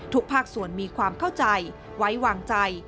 ภาคส่วนมีความเข้าใจไว้วางใจ